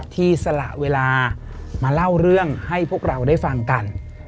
สละเวลามาเล่าเรื่องให้พวกเราได้ฟังกัน